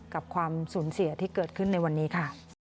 ความสูญเสียที่เกิดขึ้นในวันนี้ค่ะ